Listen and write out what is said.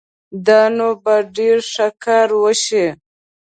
دا نو به ډېر ښه کار وشي